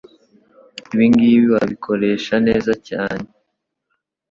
Ibingibi wabikoresha neza cyane